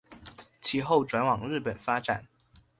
其后转往日本发展。